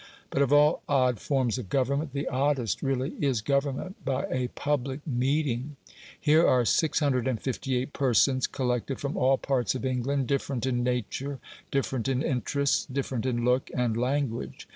But of all odd forms of government, the oddest really is government by a PUBLIC MEETING. Here are 658 persons, collected from all parts of England, different in nature, different in interests, different in look, and language.